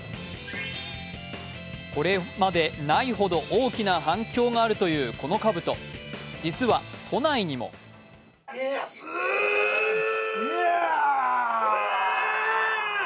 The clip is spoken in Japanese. これまでないほど大きな反響があるというこのかぶと、実は都内にも家康、おりゃ！